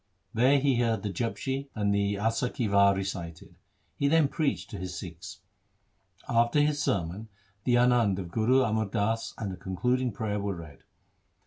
There he heard the Japji and the Asa ki War recited. He then preached to his Sikhs. After his sermon the Anand of Guru Amar Das and a concluding prayer were read.